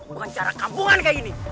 bukan cara kampungan kayak ini